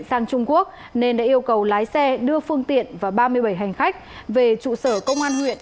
sang trung quốc nên đã yêu cầu lái xe đưa phương tiện và ba mươi bảy hành khách về trụ sở công an huyện